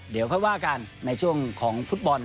เดี๋ยวค่อยว่ากันในช่วงของฟุตบอล